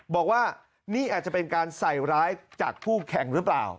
บอกว่านี่อาจจะเป็นการใส่ร้ายจากผู้แข่งหรือเปล่า